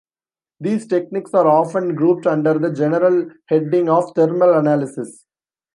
These techniques are often grouped under the general heading of thermal analysis.